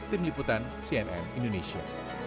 tim liputan cnn indonesia